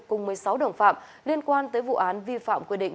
cùng một mươi sáu đồng phạm liên quan tới vụ án vi phạm quy định